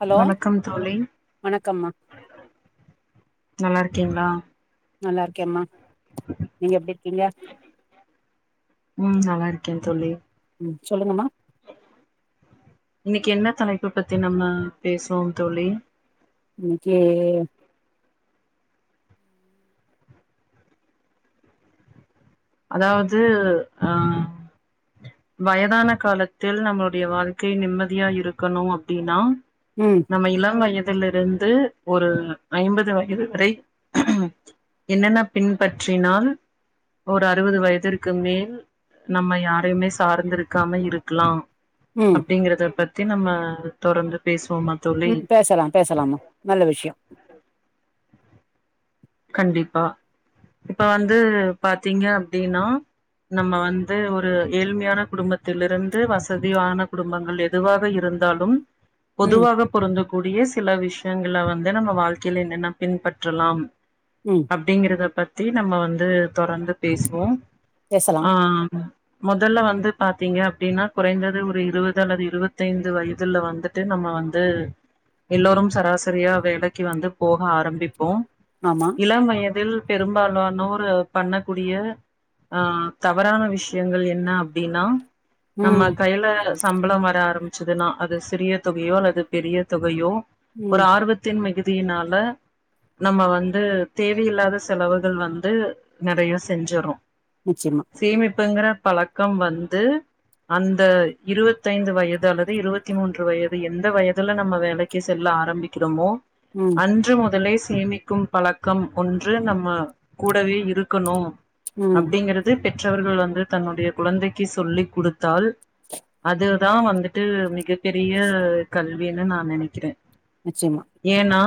Hello வணக்கம் தோழி வணக்கம்மா நல்லா இருக்கீங்களா நல்லா இருக்கேம்மா நீங்க எப்டி இருக்கீங்க ம் நல்லா இருக்கேன் தோழி ம் சொல்லுங்கம்மா இன்னைக்கு என்ன தலைப்பு பத்தி நம்ம பேசுவோ தோழி இன்னைக்கி அதாவது ஆ வயதான காலத்தில் நம்மளுடைய வாழ்க்கை நிம்மதியா இருக்கணு அப்டினா ம் நம்ம இளமை எப் தில் இருந்து ஒரு ஐம்பது வயது வரை என்னென்ன பின்பற்றினால் ஒரு அறுபது வயதிற்கு மேல் நம்ம யாரையுமே சார்ந்திருக்காம இருக்லா ம் அப்டிங்கறத பத் தி நம்ம தொடர்ந்து பேஸ் ம் பேசலா பேசலாமா நல்ல விஷய கண்டிப்பா இப்ப வந்து பாத்தீங்க அப்படின்னா நம்ம வந்து ஒரு ஏழ்மையான குடும்பத்திலிருந்து வசதியான குடும்பங்கள் எதுவாக இருந்தாலும் ம் பொதுவாக பொருந்து கூடிய சில விஷயங்கள வந்து நம்ம வாழ்க்கையில என்னென்ன பின்பற்றலாம் ம் அப்டிங்கறத பத் தி நம்ம வந்து தொடர்ந்து பேஸ்வோ பேசலாம் ஆ மொதல்ல வந்து பாத்தீங்க அப்டின்னா குறைந்தது ஒரு இருபது அல்லது இருவத்தைந்து வயதுல வந்துட்டு நம்ம வந்து எல்லோரும் சராசரியா வேலைக்கு வந்து போக ஆரம்பிப்போ ஆமா இளம் வயதில் பெரும்பாலானோர் பண்ணக்கூடிய ஆ தவறான விஷ்யங்கள் என்ன அப்டின்னா நம்மா ம் கையலஸ் சம்பளம் வர ஆரம்பிச்சிதுன்னா அது சிறிய தொகையோ அல்லது பெரிய தொகையோ ஒரு ம் ஆர்வத்தின் மிகு தினால நம்ம வந் து தேவையில்லாத செலவுகள் வந்து நெறைய செஞ்சரு நிச்சயமா சேமிப்புங்கிற பழக்கம் வந்து அந்த இருவத்தைந்து வயது அல்லது இருவத்தி மூன்று வயது எந்த வயதுல நம்ம வேலைக்கு செல்ல ஆரம்பிக்கிறோமோ ம் அன்று முதலேஸ் சேமிக்கு பழக்கம் ஒன்று நம்ம கூடவே இருக்கணு ம் அப்டிங்கறது பெற்றவர்கள் வந்து தன்னுடைய குழந்தைக்கு சொல்லி குடுத்தால் அதுதா வந்துட்டு மிக பெரிய கல்வீனு நா நெனைக்கிறே நிச்சயமா ஏனா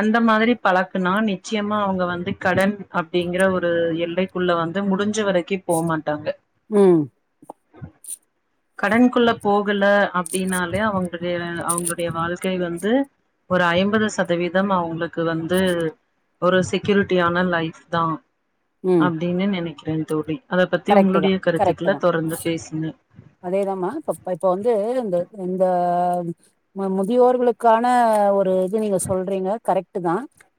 அந்த மாதிரி பழக் இப்ப நா நிச்சயமா அவங்க வந்து கடன் அப்ஙடிங்கற ஒரு எல்லைக்குள்ள வந்து முடிஞ்ச வரைக்கு போமாட்டாங்க உம் கடன்க்குள்ள போகல அப்டின்னாலே அவங்களுடைய அவங்களுடைய வாழ்க்கை வந்து ஒரு ஐம்பது சதவீதம் அவங்களுக்கு வந்து ஒரு செக்யூரிட்டியான லைஃப் தா ம் அப்டின்னு நெனைகி பெண் தோட்டி கரெக்ட்டு தா கரெக்ட்டு தா பேசுங்க அதேதாம பப் இப்ப வந்து இந்த இந்த ம முதியோர்களுக்கான ஒரு இது நீங்க சொல்றீங்க கரெக்ட்டு தா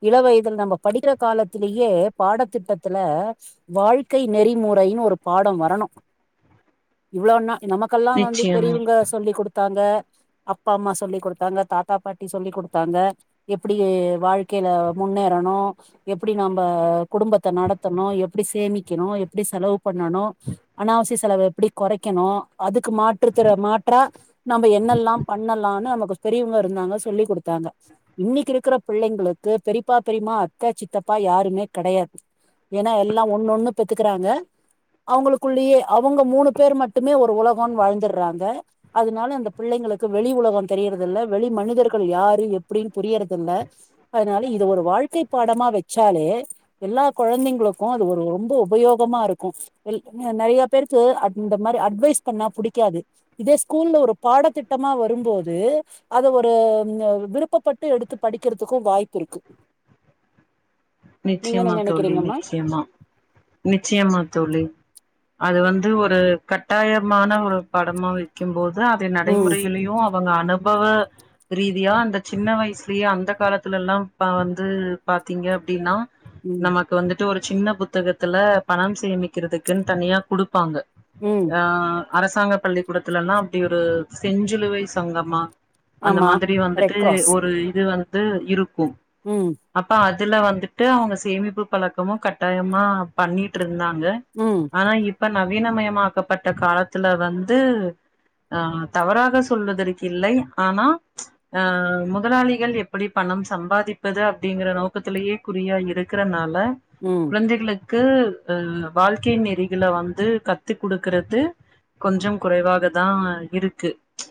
இளவயதுல நம்ம படிக்கிற காலத்திலேயே பாடத்திட்டத்துல வாழ்க்கை நெறிமு றைனு ஒரு பாடம் வரணு இவ்ளோனா நமக்கெல்லா வந்து நிச்சயமா பெரியவங்க சொல்லி கொ தாங்க அப்பா அம்மா சொல்லி் கொடுத்தாங்க தாத்தா பாட்டி சொல்லி் கொடுத்தாங்க எப்டி வாழ்க்கையில முன்னேறணு எப்டி நம்ம குடும்பத்தை நடத்தணு எப்படி சேமிக்கணு எப் டி செலவு பண்ணணு அனாவசிய செலவு எப்டி கொறைக்கணு அதுக்கு மாற்றுதிர மாற்றா நம்ம என்னெல்லா பண்ணலானு நமக்கு பெரியவங்க இருந்தாங்க சொல்லி் கொடுத்தாங்க இன்னைக்கு இருக்கிற பிள்ளைங்களுக்கு பெரியப்பா பெரியமா அத்தே சித்தப்பா யாருமே கெடையாது ஏன்னா எல்லா ஒண்ணொண்ணு பெத் குக்குறாங்க அவங்களுக்குள்ளயே அவங்க மூணு பேர் மட்டுமே ஒரு உலகோனு வாழ்ந்துடுறாங்க அதனால அந்த பிள்ளைங்களுக்கு வெளி உலகோ தெரியர்தில்ல வெளி மனிதர்கள் யாரு எப்டின்னு புரியறதில்ல அதனால இது ஒரு வாழ்க்கை பாடமா வச்சாலே எல்லா கொழந்தைங்களுக்கு அது ஒரு ரொம்ப உபயோகமா இருக்கு எல் நெறைய பேருக்கு அந்த மாரி அட்வைஸ் பண்ணா புடிக்காது இதே ஸ்கூல்ல ஒரு பாடத்திட்டமா வரும்போது அத ஒரு விருப்பப்பட்டு எடுத்து படிக்கிறதுக்கு வாய்ப்பு இருக்கு நீங்க என்ன நிச்சியமா தோழி நெனைக்கிறீங்கம்மா நிச்சியமா நிச்சயமா தோழி அது வந்து ஒரு கட்டாயமான ஒரு படமா வெக்கும்போது து அதை ம் நடைமுறையில்லையு அப் அவுங்க அனுபவ ரீதியா அந்த சின்ன வயசுலயே அந்த காலத்துலலா ப வந்து பாத்தீங்க டீனா ம் நமக்கு வந்துட் டு ஒரு சின்ன புத்தகத்துல பணம் சேமிக்கிறதுக்குன் தனியா குடுப்பாங்க ம் ஆ அரசாங்க பள்ளிக்கூடத்துலலா அப்டி ஒரு செஞ்சிலுவை சங்கமா அந்த ஆமா மாதிரி ரெட் வந்துட்டு கிராஸ் ஒரு இது வந்து வந்து இருக் ம் அப்பா அது இதுல வந் துட்டு அவுங்க சேமிப்பு பழக்கமு கட்டாயமா பண்ணிட்டு இரு ந்தாங்க ம் ஆனா இப் இப்ப நவீனமயமாக்கப்பட்ட காலத்துல வந்து ஆ தவறாக சொல்வதற்கு இல்லை ஆனா அ முதலாளிகள் எப்படி பணம் சம்பாதிப்பது அப்டிங்கற நோக்கத்திலயே குறியா இருக்கறனா [unintelligible] ம் குழந்தைகளு க்கு அ வாழ்க்கையின் நெறிகள வந்து கத்து குடுக்கறது கொஞ்சம் குறைவாகதா இரு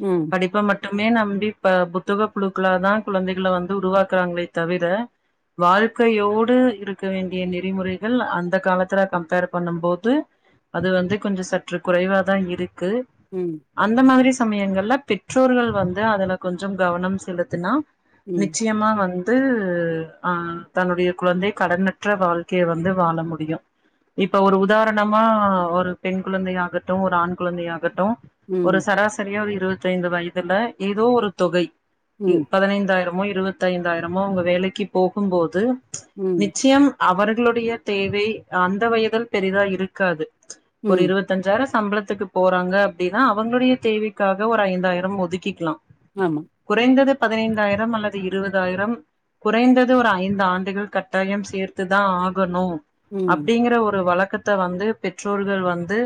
ம் படிப்ப மட் மட்டுமே நம்பி புத்தக புழுக்களா தான் குழந்தைகளை வந்து உருவாக்குறாங்களே தவிர வாழ் கையோடு இருக்க வேண்டிய நெறிமுறைகள் அந்த காலத்துல கம்ப்பேர் பண்ணும் போது அது வந்து கொஞ்ச சற்று குறைவாதா இரு க்கு ம் அந்த மாதிரி சமயங்கள்ல பெற்றோர்கள் வந்து அதுல கொஞ்சோ கவனம் செலுத்துனா ம் நிச்சயமா வந் ந்து ஆ தன்னுடைய குழந்தை கடனற்ற வாழ்க்கைய வந்து வாழ முடியு இப்ப ஒரு உதாரணமா ஒரு பெண் குழந்தையாகட்டு ஒரு ஆண் குழந்தையாகட்டு ஒரு ம் சராசரியா ஒரு இருவத்தைந்து வயதுல ஏதோ ஒரு தொகை இ ம் பதினைந்தாயிரமு இருவத்தைந்தாய்ரமோ அவுங்க வேலைக்கு போகும் போது து [inaudible] ம் நிச்சயம் அவர்களுடைய தேவை அந்த வயதில் பெரிதா இருக்காது ஒரு ம் இருவத்தஞ்சாயிர சம்பளத் த்துக்கு போறாங்க அப்டின்னா அவங்களுடைய தேவைக்காக ஒரு ஐந்தாயிரம் ஒதுக்கிக்லா ஆமா குறைந்தது பதினைந்தாயிரம் அல்லது இருவதாயிரம் குறைந்தது ஒரு ஐந் இந்த ஆண்டுகள் கட்டாய சேர்த்துதா ஆகணு ம் அப்படிங்கற ஒரு வழக் த வந்து பெற்றோர்கள் வந்து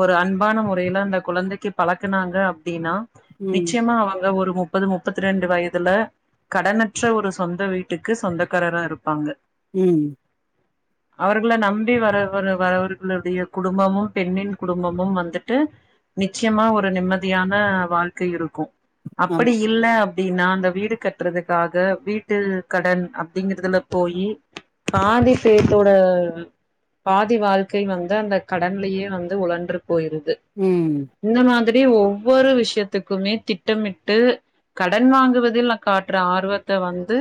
ஒரு அன்பான முறையில அந்த குழந்தைக்கு பழக்கனாங்க அப்படின்னா ம் நிச்சயமா அவங்க ஒரு முப் முப்பது முப்பத்தி ரெண்டு வயதுல கடனற்ற ஒரு சொந்த வீட்டுக்கு சொந்த தகார தான் இருப்பாங்க உம் அவர்களை நம்பி வர வரவர்களுடைய குடும்பமும் பெண்ணின் குடும்பமும் வந்துட்டு நிச்சயமா ஒரு நிம்மதியான வாழ்க்கை இருக்கும் அப்படி ஆமா இல்ல ப்படின்னா அந்த வீடு கட்டுறதுக்காக வீட்டு கடன் அப் அப்படிங்கறத போய் பாதி பேத்தோட பாதி வாழ்க்கை வந்து அந்த கடன்லயே வந்து உழன்று போயிருது ம் இந்த மாதிரி ப்டி ஒவ்வொரு விஷயத்துக்குமே திட்டமிட்டு கடன் வாங்குவதில் காட்டுற ஆர்வத்தை வந்து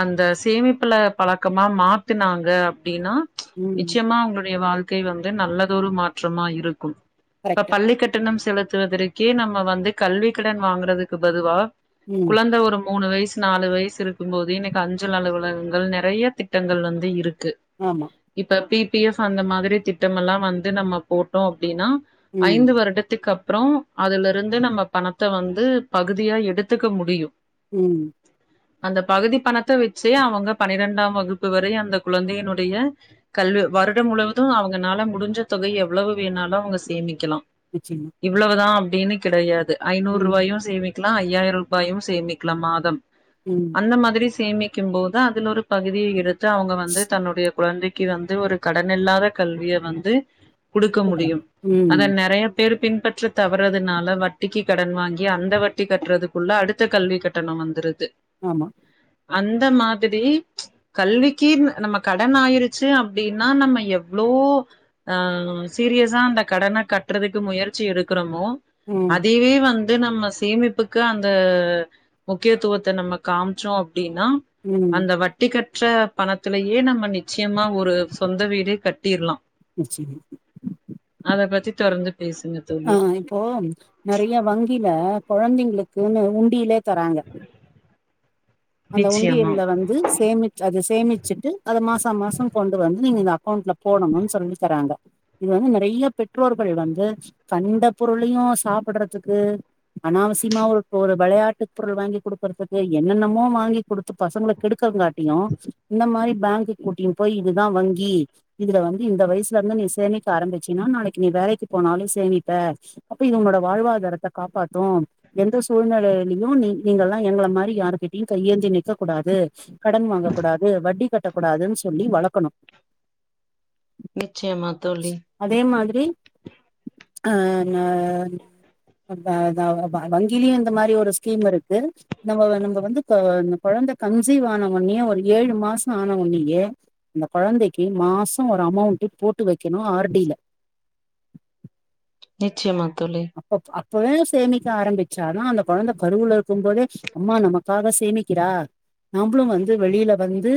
அந்த சேமிப்புல பழக்கமா மாத்துனாங்க அப்டின்னா ம் நிச்சயமா அங்களுடைய வாழ் ழ்கை வந்து நல்லதொ ஒரு மாற்றமா இருக்கும் இப்ப கரெக்ட்டு பள்ளிக்கட்டணம் செலு நடத்துவதற்கே நம்ம வந்து கல்வி கடன் வாங்கறதுக்கு பதுவா ம் குழந்த ஒரு மூணு வயசு நாலு வயசு இருக்கும் போது எனக்கு அஞ் சல் அலுவலகங்கள் நறைய திட்டங்கள் வந்து இருக் கு ஆமா இப்ப பி பி எஃப் அந்த மாதிரி திட்டம் எல்லாம் வந்து நம்ம போட்டோம் அப்படின்னா ம் ஐந்து வருடத்துக்கு அப் அப்புறம் அதுல இருந்து நம்ம பணத்தை வந்து பகுதியாக எடுத்துக்க முடியும் உம் அந்த பகுதி பணத்த வெ ச்சு அவங்க பனிரெண்டாம் வகுப்பு வரை அந்த குழந்தையினுடைய கல்வி வருடம் முழுவதும் அவங்கனால முடிஞ்ச தொகை எவ்ளவு வேணாலு அவ்ங்க சேமிக்கலா நிச்சயமா இவ்ளவுதா அப்டின்னு கிடையாது ஐநூறு ம் ரூவாயு சேமிக்லா ஐயாயிர் ரூபாயும் சேமிக்லாம் மாதம் ம் அந்த மாதிரி சேமிக் க்கும் போது அதுல ஒரு பகுதியை எடுத் து அவ்ங்க வந்து தன்னுடைய குழந்தை க்கு வந்து ஒரு கடன் இல்லாத கல்விய வந்து கொடுக்க இருக்கலாம் முடியும் ம் அத நெறைய பேரு பின்பற்ற தவற்றதுனால வட்டிக்கு கடன் வாங்கி அந்த வட்டி கட்றதுக்குள்ள அடுத்த கல்வி கட்டண வந்துருது ஆமா அந்த மாதிரி கல்விக்கு நம்ம கடன் ஆயிருச்சு அப்டின்னா நம்ம எவ்ளோ அஹ் சீரியசா அந்த கடன கட்றதுக்கு முயற்சி எடுக்கிறமோ ம் அதவே வந் இது நம்ம சேமிப்புக்கு அந்த முக்கியத்துவத்தை நம்ம காமிச்சோம் அ ப்படின்னா ம் அந்த வட்டிக்கட்ட ற்ற பணத்திலயே நம்ம நிச்சயமா ஒரு சொந்த வீடே கட்டிலாம் நிச்சயமா அத பத்தி தொறந்து ஆ இப்போ நறைய வங்கில கொழந்தைங்க களுக்கு ன்னு உண்டியிலே தராங்க அந்த நிச்சயமா உண்டியல வந்து சேமிச் அது சேமிச்சுட்டு அத மாச மாச கொண்டு வந்து நீங்க அக்கோண்ட்ல போடணும்னு சொல்லி தராங்க இது வந்து நறைய பெற்றோர்கள் வந்து கண்ட பொருளையும் சாப்டறதுக்கு அனாவசியமா ஒரு ஒரு விளையாட்டுப் பொருள் வாங்கி குடுக்குறதுக்கு என்னென்னமோ வாங்கி குடுத்து பசங்கள கெடுக்கறங்காட்டியும் இந்த மாரி பேங்க கூட்டினு போய் இதுதான் வங்கி இதுல வந்து இந்த வயசுல இருந்து நீ சேமிக்க ஆரம்பிச்சான நாளைக்கு நீ வேலைக்கு போனாலும் சேமிப்ப இது உன்னோட வாழ்வாதாரத்த காப்பாத்தும் எந்த சூழ்நிலையிலையும் நீ நீங்கலாம் எங்களை மாரி யார்கிட் டிங் கையேந்தி நிற்கக் கூடாது கடன் வாங்கக்க கூடாது வட்டி கட்டக்க கூடாதுன்னு சொல்லி வளர்க்கணும் நிச்சயமா தோலி லி ஆ ன த த வங்கிலும் இந்த மாரி ஒரு ஸ்கீம் இருக்கு நம்ம நம்ம வந்து கொ இந்த கொழந்தை கன்சீவ் ஆன உனேயே ஒரு ஏழு மாசம் ஆன உனேயே இந்த குழந்தைக்கு மாசம் ஒரு அமௌண்ட்டு போட்டு வைக்கணும் ஆர் டி ல நிச்சயமா தோழி அப் போ ஆ குழல சேமிக்க ஆரம்பிச்சான் தான் அந்த கொழந்தை பருவல இருக்கும் போதே அம்மா நமா பார் ரா சேமிக்கிறா நம்பளும் வந்து வெளியில வந்து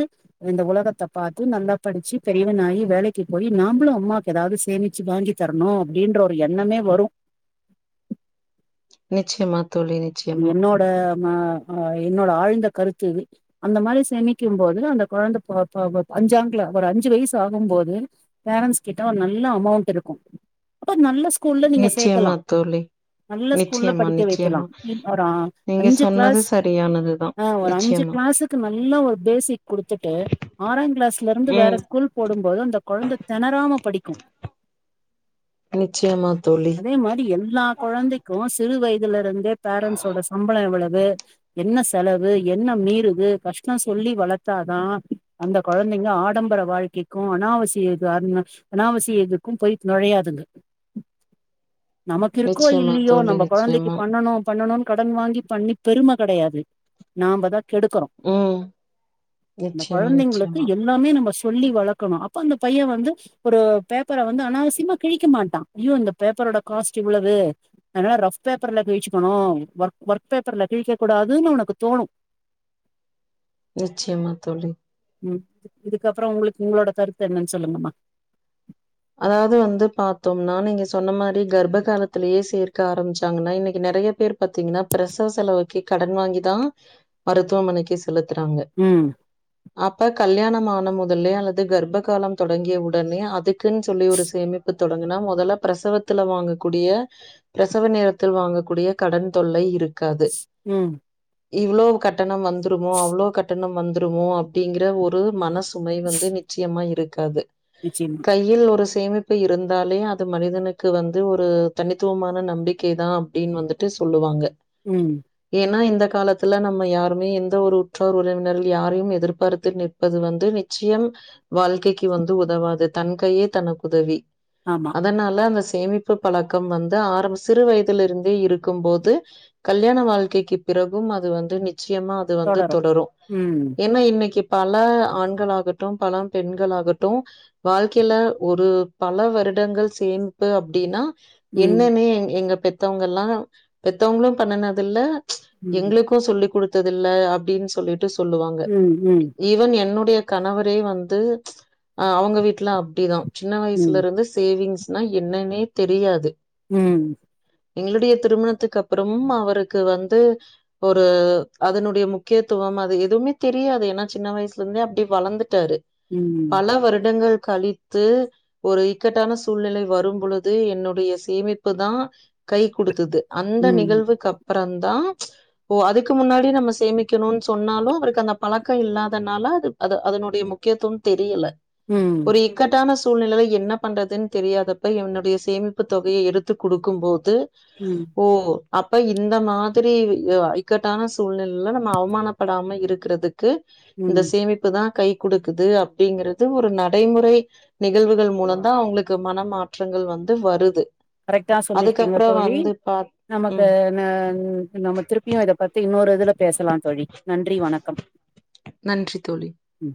இந்த உலகத்தை பாத்து நல்லா படிச்சு பெரியவன் ஆயி வேலைக்கு போய் நாம்ளும் அம்மாவுக்கு எதாவது சேமிச்சு வாங்கி தரணும் அப்படின்ற ஒரு எண்ணமே வரும் நிச்சயமாத்து தோழி இது நிச்சயமா என்னோட என்னோட ஆழ்ந்த கருத்து இது அந்த மாரி சேமிக்கும் போது அந்த கொழந்தை பொ பொ அஞ்சாங்கல ஒரு அஞ்சு வயசு ஆகும் போது பேரண்ட்ஸ் கிட்ட ஒரு நல்ல அமௌண்ட் இருக்கும் அப்ப நல்ல ஸ் கூல்ல நீங்க நிச்சயமா சேக்கலாம் தோழி நல்ல ஸ்கூல்ல நிச்சயமா படிக்க நிச்சயமா வைக்கலாம் ஒரு நீங்க அஞ்சு சொன்னது கிளாஸ் சரியானதுதா ஆ ஒரு அஞ்சு நிச்சயமா கிளாஸுக்கு நல்ல ஒரு பேசிக் குடுத்துட்டு ஆறாம் கிளாஸ்ல இருந்து வேற ம் ஸ்கூல் போடும்போது அந்த குழந்தை திணராம படிக்கும் நிச்சயமா தோழி அதே மாரி எல்லா கொழந்தைக்கும் ஸ் சிறு வயதுலே இருந்தேப் பேரண்ட்ஸோட சம்பளம் எவ்வளவு என்ன செலவு என்ன மீறுது கஷ்டம் சொல்லி வளர்த்தாதான் அந்த கொழந்தைங்க ஆடம்பர வாழ்க்கைக்கும் அனாவசிய இது அ அனாவசிய இதுக்கும் போய் நுழையாதுங்க நமக்கு இருக்கோ நிச்சயமா இல்லையோ தோழி நம்ம கொழந்தைக்கு நிச்சயமா பண்ணணோம் பண்ணணும்னு கடன் வாங்கி பண்ணி பெருமை கிடையாது நாமதான் கெடுக்குறோம் ம் இந்த நிச்சயமா கொழந்தைங்களுக்கு நிச்சயமா எல்லாமே நம்ம சொல்லி வளக்கணும் அப்ப அந்த பையன் வந்து ஒரு பேப்பரை வந்து அனாவசியமா கிழிக்க மாட்டான் ஐயோ இந்த பேப்பர் ரோட காஸ்ட்இவ்ளவு அதனால ஃரப்பேப்ரல கிழிச்சி கனோம் ஒர்க் ஒர்க் பேப்பர்ல கிழிக்க கூடாதுன்னு அவனுக்கு தோணும் நிச்யமா தோழி ம் இதுக்கப்ரோ உங்களுக்கு உங்களோட கருத்து என்னன்னு சொல்லுங்கம்மா அதாவது வந்து பாத்தோம்னா நீங்க சொன்ன மாரி கர்ப்ப காலத்திலேயே சேர்க்க ஆரம்பிச்சாங்கன்னா இன்னைக்கு நெறைய பேர் பாத்தீங்ன்னா பிரசவ செலவுக்கு கடன் வாங்கிதா மருத்துவமனைக்கு செலுத்றாங்க ம் அப்ப கல்யாணமான முதல்லே அல்லது கர்ப்பகாலலோ தொடங்கிய உடனே அது அதுக்குன்னு சொல்லி ஒரு சேமிப்பு தொடங்குனா முதல்ல பிரசவத்துல வாங்கக்கூடிய பிரசவ நேரத்தில் வாங்கக்கூடிய கடன் தொல்லை இருக் உம் இவ்ளோ கட்டணம் வந்துருமோ அவ்ளோ கட்டணம் வந்துருமோ அப்டிங்கற ஒரு மனசு சுமை வந்து நிச்சயமா இருக் காது நிச்சயமா கையில் ஒரு சேமி ப்பு இருந்தாலே அது மனிதனுக்கு வந்து ஒரு தனித்துவமான நம்பிக்கை தா அப்டின் வந்துட்டு சொல்லுவாங்க உம் ஏன்னா இந்த காலத்துல நம்ம யாருமே எந்த ஒரு உற்றார் உறவினர்கள் யாரையு எதிர்பார்த்து நிற்பது வந்து நிச்சயம் வாழ்க்கைக்கு வந்து உதவாது தன் கையே தனக்குதவி ஆமா அதனால அந்த சேமிப்பு பழக்கம் வந்து ஆரம்ப சிறு வயதிலே இருந்தே இருக்கு போது கல்யாண வாழ்க்கைக்கு பிறகும் அது வந்து நிச்சயமா அது வந்து தொடரு ம் ஏன்னா இன்னைக்கு பல ஆண்களாகட்டு பல பெண்களாகட்டு வாழ்க்கையில ஒரு பல வருடங்கள் சேமிப்பு அப்டின்னா ம் என்னனே எ எங்க பெத்தவங்கல்லா பெத்தவங்களு பண்ணுணதுல்ல ம் எங்ளுக்கு சொல்லி் கொ ந்ததில்ல அப்டின்னு சொல்லி ண்டு சொல்லுவாங்க ம் ம் ஈவன் என்னோட ஏ கணவரே வந்து அஹ் அவங்க வீட்டு லா அப்டி சின்ன ம் வயசுலருந்து சேவிங்ஸ் னா என்னன்னே தெரியாது உம் எங்ளுடைய திருமணத்துக்கு அப்பறமும் அவருக்கு வந்து ஒரு அதனுடைய முக்கியத்துவம் அது எதுவுமே தெரியாது ஏன்னா சின்ன வயசுலருந்தே அப்டி வளர்ந்து டாரு ம் பல வருடங்கள் கழித்து ஒரு இக்கட்டான சூழ்நிலை வரும் பொழுது என்னுடைய சேமிப்பு தா கை கொடுத்தது அந்த ம் நிகழ்வுக்கு அப்ற தா ஓ அதுக்கு முன்னாடி நம்ம சேமிக்கணுனு சொன்னாலு அவருக்கு அந்த பழக்க இல்லாதனால அது அது அதனுடைய முக்கியத்துவ தெரியல ம் ஒரு இக்கட்டான சு சூழ்நிலை என்ன பண்ணுறதுன்னு தெரியாதப்ப என்னுடைய சேமிப்புத் தொகையை எடுத்து குடுக்கு போது ம் ஓ அப்ப இந்த மாதிரி இஅ க்கட்டான சூழ்நிலைல நம்ம அவமானப்படாம இருக்கிறதுக் கு இந்த ம் சேமிப்பு தா கை குடுக்குது அப்படிங்கிறது ஒரு நட் டைமுறை நிகழ்வுகள் மூலம்தா அவ்ங்களுக்கு மன மாற்றங்கள் வந்து வருது கரெக்டா சொல்லிருக்கீங்க அதுக்கப்புறம் தோழி வந்து பாத் நமக்கு ம். ந நம்ம திருப்பியும் இத பத்தி ன்னொரு இதுல பேசலாம் தோழி நன்றி வணக்கம் நன்றி தோழி ம்